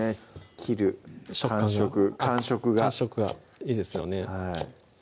切る感触感触がいいですよね